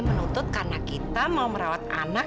menuntut karena kita mau merawat anak